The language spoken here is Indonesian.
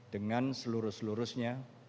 dengan seluruh nobody